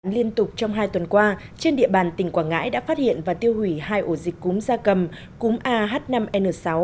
liên tục trong hai tuần qua trên địa bàn tỉnh quảng ngãi đã phát hiện và tiêu hủy hai ổ dịch cúm da cầm cúm ah năm n sáu